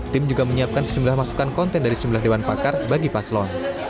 tim juga menyiapkan sejumlah masukan konten dari sejumlah dewan pakar bagi paslon